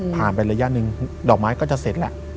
ไประยะหนึ่งดอกไม้ก็จะเสร็จแล้ว